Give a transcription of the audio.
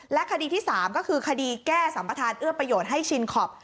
คดีที่๓ก็คือคดีแก้สัมประธานเอื้อประโยชน์ให้ชินคอป